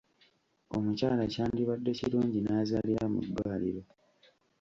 Omukyala kyandibadde kirungi n'azaalira mu ddwaliro.